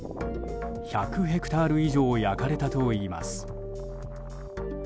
１００ヘクタール以上焼かれたといいます。